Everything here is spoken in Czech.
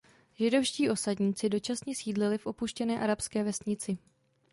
Židovští osadníci dočasně sídlili v opuštěné arabské vesnici.